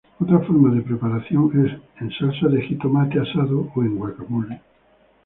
Otra forma de preparación es en salsa de jitomate asado o en guacamole.